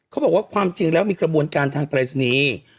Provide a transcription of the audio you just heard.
เขาบอกว่าความจริงแล้วมีกระบวนการทางปรายศนีย์